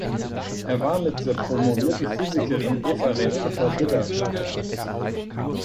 Er war mit der promovierten Physikerin Eva Renate Bidder verheiratet.